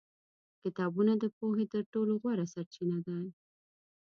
کتابونه د پوهې تر ټولو غوره سرچینه دي.